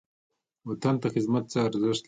وطن ته خدمت څه ارزښت لري؟